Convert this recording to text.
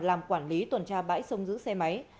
làm quản lý tuần tra bãi sông giữ xe máy